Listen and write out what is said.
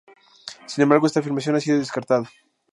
Sin embargo esta afirmación ha sido descartada.